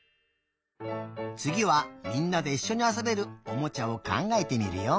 つぎはみんなでいっしょにあそべるおもちゃをかんがえてみるよ。